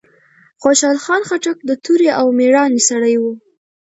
خوشحال خان خټک د توری او ميړانې سړی وه.